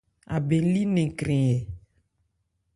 Abɛn li nnɛn krɛn ɛ ?